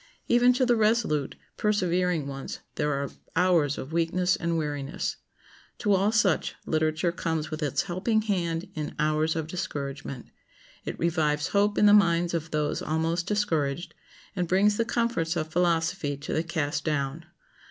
Even to the resolute, persevering ones there are hours of weakness and weariness. To all such literature comes with its helping hand in hours of discouragement. It revives hope in the minds of those almost discouraged, and brings the comforts of philosophy to the cast down.